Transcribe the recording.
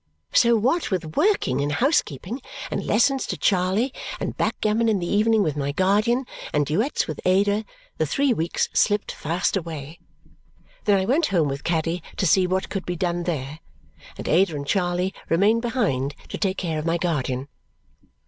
So what with working and housekeeping, and lessons to Charley, and backgammon in the evening with my guardian, and duets with Ada, the three weeks slipped fast away. Then I went home with Caddy to see what could be done there, and Ada and Charley remained behind to take care of my guardian.